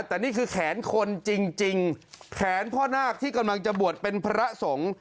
แต่นี่คือแขนคนจริงแขนพ่อนาคที่กำลังจะบวชเป็นพระสงฆ์